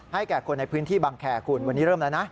แก่คนในพื้นที่บังแคร์คุณวันนี้เริ่มแล้วนะ